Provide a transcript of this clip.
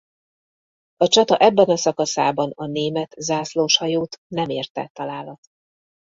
A csata ebben a szakaszában a német zászlóshajót nem érte találat.